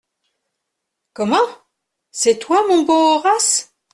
Comment ! c’est toi, mon bon Horace ?…